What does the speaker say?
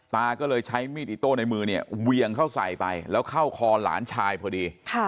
ตาก็เลยใช้มีดอิโต้ในมือเนี่ยเวียงเข้าใส่ไปแล้วเข้าคอหลานชายพอดี